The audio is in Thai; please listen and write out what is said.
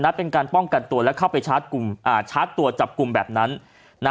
นัดเป็นการป้องกันตัวแล้วเข้าไปชาร์จตัวจับกลุ่มแบบนั้น